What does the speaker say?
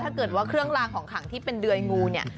ถ้าเกิดว่าเครื่องลางของขังที่เป็นเดยงูเนี่ย